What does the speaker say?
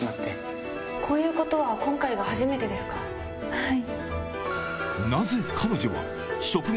はい。